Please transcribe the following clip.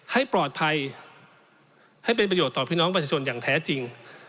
ให้ปลอดภัยให้เป็นประโยชน์ต่อพี่น้องประชาชนอย่างแท้จริง